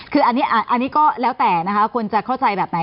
คืออันนี้ก็แล้วแต่นะคะควรจะเข้าใจแบบไหน